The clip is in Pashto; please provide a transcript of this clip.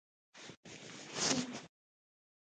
هغه فکر وکړ چې مار مړ دی.